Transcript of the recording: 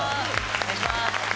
お願いします。